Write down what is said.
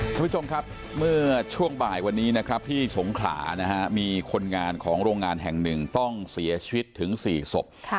คุณผู้ชมครับเมื่อช่วงบ่ายวันนี้นะครับที่สงขลานะฮะมีคนงานของโรงงานแห่งหนึ่งต้องเสียชีวิตถึง๔ศพ